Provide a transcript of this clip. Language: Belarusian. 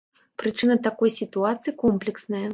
Прычына такой сітуацыі комплексная.